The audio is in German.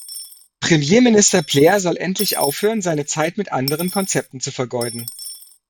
Premierminister Blair soll endlich aufhören, seine Zeit mit anderen Konzepten zu vergeuden.